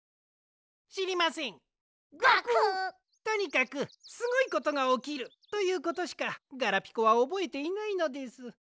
とにかくすごいことがおきるということしかガラピコはおぼえていないのです。